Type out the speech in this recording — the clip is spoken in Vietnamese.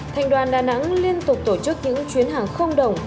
thành đoàn đà nẵng liên tục tổ chức những chuyến hàng không đồng